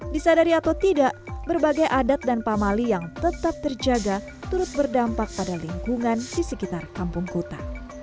disadari atau tidak berbagai adat dan pamali yang tetap terjaga turut berdampak pada lingkungan di sekitar kampung kuta